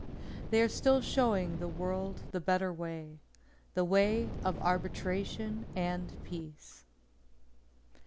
They are still showing the World the Better Way the way of Arbitration and Peace.